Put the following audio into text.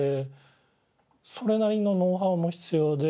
それなりのノウハウも必要で。